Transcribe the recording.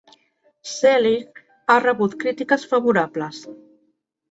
"Zelig" ha rebut crítiques favorables.